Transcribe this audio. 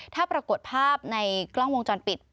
ถ้าปรากฏภาพในกล้องวงจรปิด